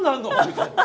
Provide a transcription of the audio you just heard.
みたいな。